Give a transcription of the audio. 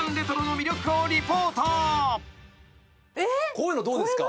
こういうのどうですか？